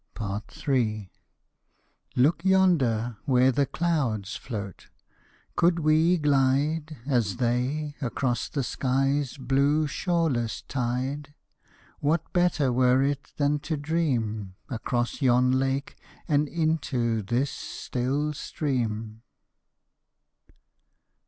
III. Look yonder where the clouds float; could we glide As they, across the sky's blue shoreless tide, What better were it than to dream Across yon lake and into this still stream?